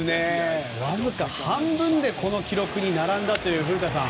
わずか半分でこの記録に並んだという古田さん。